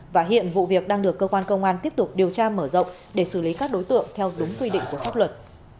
và hiện vụ việc đang được cơ quan công an tiếp tục điều tra mở rộng để xử lý các đối tượng theo đúng quy định của pháp luật